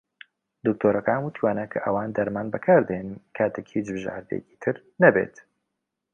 دکتۆرەکان وتوویانە کە ئەوان دەرمان بەکار دەهێنن کاتێک "هیچ بژاردەیەکی تر نەبێت".